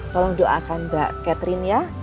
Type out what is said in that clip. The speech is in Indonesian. tolong doakan mbak catherine ya